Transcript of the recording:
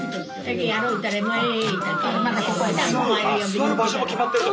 座る場所も決まってるんだ。